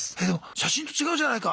写真と違うじゃないか！